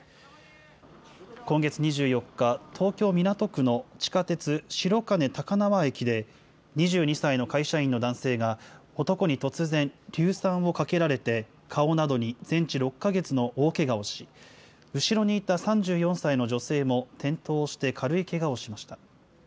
今月２４日、東京・港区の地下鉄白金高輪駅で、２２歳の会社員の男性が、男に突然、硫酸をかけられて、顔などに全治６か月の大けがをし、後ろにいた３４歳の女性も転倒して軽いけがをしました。